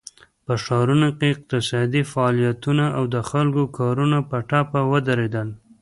په ښارونو کې اقتصادي فعالیتونه او د خلکو کارونه په ټپه ودرېدل.